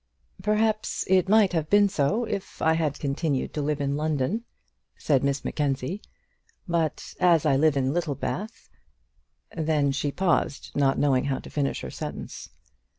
"Perhaps it might have been so if I had continued to live in London," said Miss Mackenzie; "but as I live at Littlebath " Then she paused, not knowing how to finish her sentence.